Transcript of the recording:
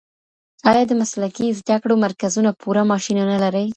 آیا د مسلکي زده کړو مرکزونه پوره ماشینونه لري؟